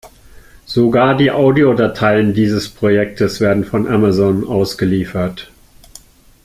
Sogar die Audiodateien dieses Projektes werden von Amazon ausgeliefert.